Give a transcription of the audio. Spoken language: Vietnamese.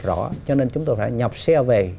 rõ cho nên chúng tôi đã nhập xe về